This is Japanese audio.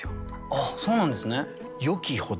あっそうなんですね。